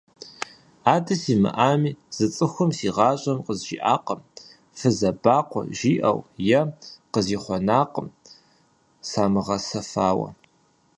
Адэ симыӀами, зы цӀыхум си гъащӀэм къызжиӀакъым фызабэкъуэ жиӀэу, е къызихъуэнакъым самыгъэсэфауэ.